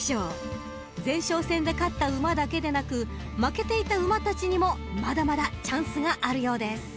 ［前哨戦で勝った馬だけではなく負けていた馬たちにもまだまだチャンスがあるようです］